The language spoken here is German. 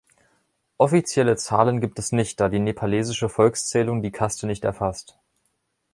Offizielle Zahlen gibt es nicht, da die nepalesische Volkszählung die Kaste nicht erfasst.